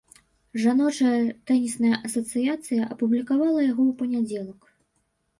Жаночая тэнісная асацыяцыя апублікавала яго ў панядзелак.